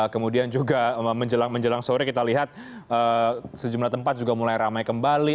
kemudian juga menjelang sore kita lihat sejumlah tempat juga mulai ramai kembali